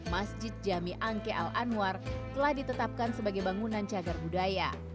masjid jami angke al anwar telah ditetapkan sebagai bangunan cagar budaya